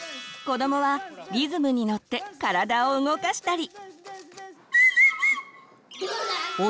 子どもはリズムにのって体を動かしたり。